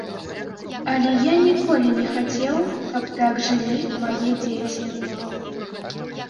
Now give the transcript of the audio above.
Але я ніколі не хацеў, каб так жылі мае дзеці.